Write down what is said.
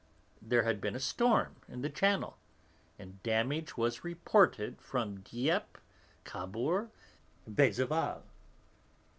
There had been a storm in the Channel, and damage was reported from Dieppe, Cabourg, Beuzeval....